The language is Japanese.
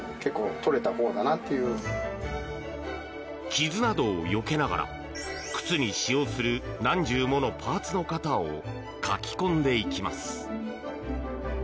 傷などをよけながら靴に使用する何十ものパーツの型を書き込んでいきます。